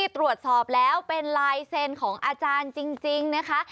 ตรวจสอบแล้วเป็นลายเซ็นต์ของอาจารย์จริงนะคะ